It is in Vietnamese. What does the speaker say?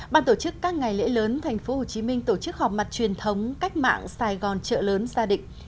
ban tổ chức các ngày lễ lớn tp hcm tổ chức họp mặt truyền thống cách mạng sài gòn trợ lớn gia định